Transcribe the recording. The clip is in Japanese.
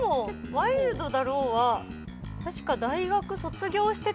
「ワイルドだろぉ」